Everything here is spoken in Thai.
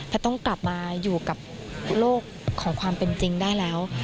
แต่ต้องกลับมาอยู่กับโลกของความเป็นจริงได้แล้ว